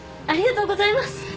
ありがとうございます！